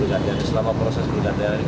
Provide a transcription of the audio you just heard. itu akibat apa sih bang